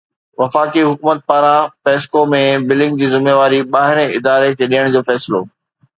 وفاقي حڪومت پاران پيسڪو ۾ بلنگ جي ذميواري ٻاهرين اداري کي ڏيڻ جو فيصلو